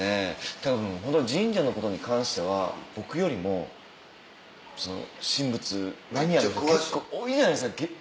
たぶん神社のことに関しては僕よりも神仏マニアの人結構多いじゃないですか。